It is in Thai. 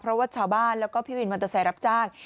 เพราะว่าชาวบ้านแล้วก็พี่วินวันตะแสรับจาก